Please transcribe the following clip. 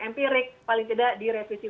empirik paling tidak di revisi